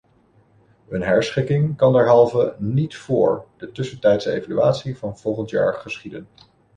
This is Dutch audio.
Een herschikking kan derhalve niet vóór de tussentijdse evaluatie van volgend jaar geschieden.